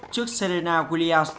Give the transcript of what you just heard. trước serena williams